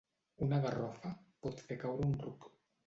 Una garrofa pot fer caure un ruc.